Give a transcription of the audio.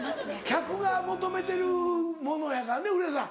客が求めてるものやからねぇ古谷さん。